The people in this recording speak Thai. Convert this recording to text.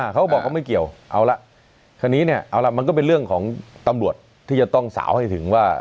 เขาก็บอกว่าไม่เกี่ยวเอาละคราวนี้เนี่ยเอาล่ะมันก็เป็นเรื่องของตำรวจที่จะต้องสาวให้ถึงว่า